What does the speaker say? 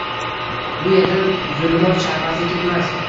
Bu yerdan zulumot sharpasi ketmas.